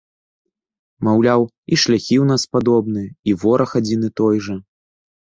Маўляў, і шляхі ў нас падобныя, і вораг адзін і той жа.